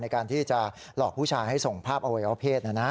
ในการที่จะหลอกผู้ชายให้ส่งภาพอวัยวะเพศ